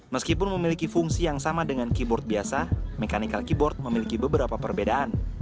meskipun memiliki fungsi yang sama dengan keyboard biasa mechanical keyboard memiliki beberapa perbedaan